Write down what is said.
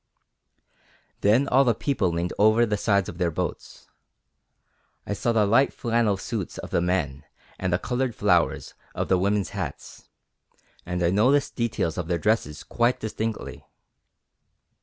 Then all the people leaned over the sides of their boats: I saw the light flannel suits of the men and the coloured flowers in the women's hats, and I noticed details of their dresses quite distinctly.